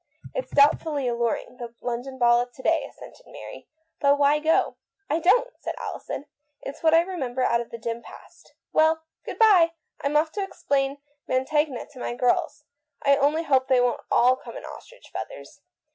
" It's doubtfully alluring — the London ball of to day," assented Mary, " but why go ?"" I don't," said Alison ;" it's what I remem ber out of the dim past. Well, good bye, I'm off to explain Mantegna to my girls. I only hope they won't all come in ostrich feathers.